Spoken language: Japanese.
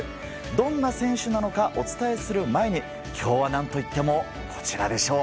どんな選手なのかお伝えする前に今日は何といっても、こちらでしょう。